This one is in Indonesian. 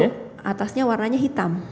lalu atasnya warnanya hitam